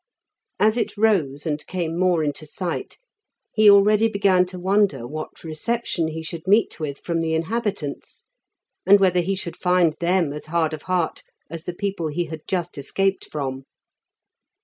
As it rose and came more into sight, he already began to wonder what reception he should meet with from the inhabitants, and whether he should find them as hard of heart as the people he had just escaped from.